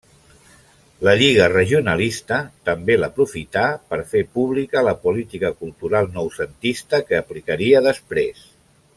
La Lliga Regionalista també l'aprofità per fer pública la política cultural noucentista que aplicaria després.